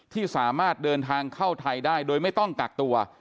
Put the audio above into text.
ที่สามารถเดินทางเข้าไทยได้โดยไม่ต้องกักตัว